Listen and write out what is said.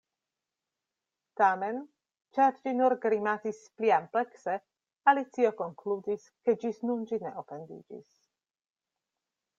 Tamen, ĉar ĝi nur grimacis pliamplekse, Alicio konkludis ke ĝis nun ĝi ne ofendiĝis.